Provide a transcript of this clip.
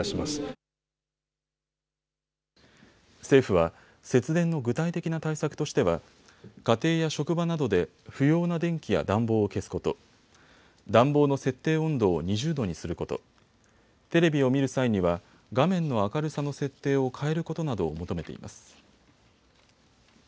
政府は節電の具体的な対策としては家庭や職場などで不要な電気や暖房を消すこと、暖房の設定温度を２０度にすること、テレビを見る際には画面の明るさの設定を変えることなどを求めています。